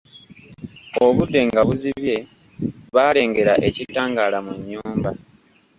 Obudde nga buzibye, baalengera ekitangaala mu nnyumba.